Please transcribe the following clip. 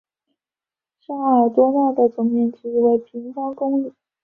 沙尔多讷的总面积为平方公里。